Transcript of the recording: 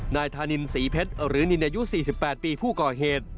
นายธานินศรีเพชรหรือนินอายุ๔๘ปีผู้ก่อเหตุ